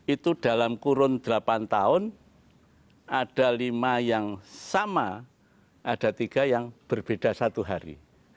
itu dalam kurun delapan tahun ada lima yang sama ada tiga yang berbeda satu hari